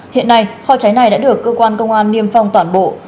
hiện nay kho cháy này đã được cơ quan công an niêm phong toàn bộ